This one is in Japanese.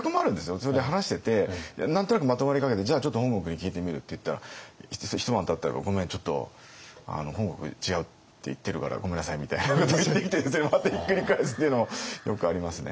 それで話してて何となくまとまりかけて「じゃあちょっと本国に聞いてみる」って言ったら一晩たったら「ごめんちょっと本国違うって言ってるからごめんなさい」みたいなこと言ってきてまたひっくり返すっていうのもよくありますね。